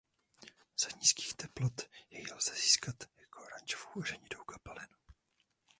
Za nízkých teplot jej lze získat jako oranžovou až hnědou kapalinu.